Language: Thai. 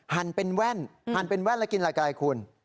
หั่นเป็นแว่นหั่นเป็นแว่นแล้วกินอะไรไกลคุณ